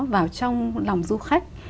vào trong lòng du khách